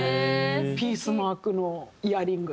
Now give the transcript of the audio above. ピースマークのイヤリング。